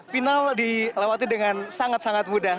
final dilewati dengan sangat sangat mudah